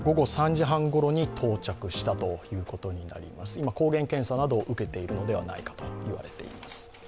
今抗原検査などを受けているのではないかといわれています。